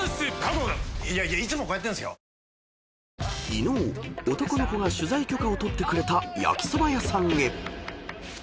［伊野尾男の子が取材許可を取ってくれた焼きそば屋さんへ］